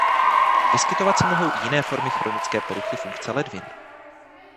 Vyskytovat se mohou i jiné formy chronické poruchy funkce ledvin.